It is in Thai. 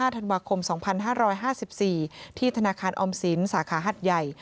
ธันวาคม๒๕๕๔ที่ธนาคารออมสินสาขาหัดใหญ่